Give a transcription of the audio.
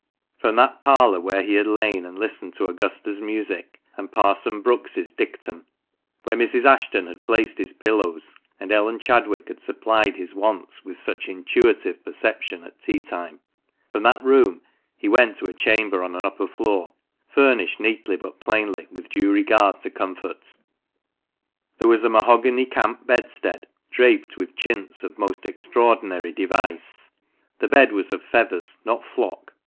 From that parlour where he had lain and listened to Augusta's music, and Parson Brookes' dictum ; where Mrs. Ashton had placed his pillows, and Ellen Chadwick had supplied his wants with such intuitive perception at tea time; from that room he went to a chamber on an upper floor, furnished neatly but plainly, with due regard to comfort. There was a mahogany camp bedstead, draped with chintz of most extraordinary device. The bed was of feathers — not flock.